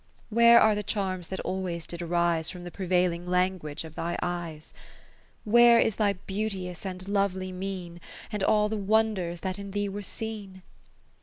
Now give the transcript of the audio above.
Where are the charms that always did arise From the prevailing language of thy eyes ? 10 Where is thy beauteous and lovely mien, And all the wonders that in thee were seen